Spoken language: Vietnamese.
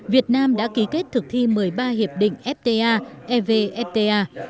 việt nam đã ký kết thực thi một mươi ba hiệp định fta evfta